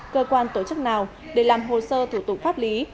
cơ quan tổ chức nào để làm hồ sơ thủ tục pháp lý